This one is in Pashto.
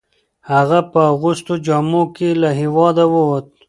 هغه په اغوستو جامو کې له هیواده وووت.